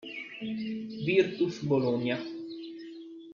Virtus Bologna